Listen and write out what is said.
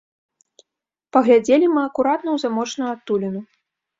Паглядзелі мы акуратна ў замочную адтуліну.